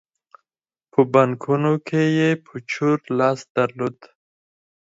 په بانکونو کې یې په چور لاس درلود.